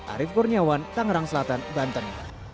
arief kurniawan tangerang selatan banten